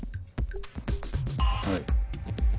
はい。